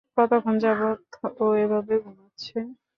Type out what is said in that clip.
কতক্ষণ যাবত ও এভাবে ঘুমাচ্ছে?